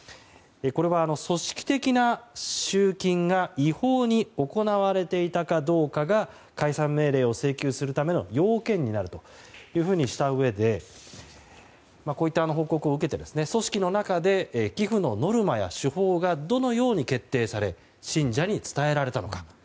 これは、組織的な集金が違法に行われていたかどうかが解散命令を請求するための要件になるというふうにしたうえでこういった報告を受けて組織の中で寄付のノルマや手法がどのように決定され信者に伝えられたのか。